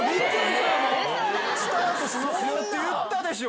「スタートしますよ」って言ったでしょ。